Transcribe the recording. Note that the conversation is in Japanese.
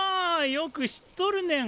よく知っとるねん！